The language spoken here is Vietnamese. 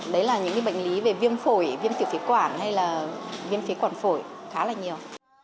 đấy là những cái bệnh lý về viêm phổi viêm tiểu phí quản hay là viêm phí quản phổi khá là nhiều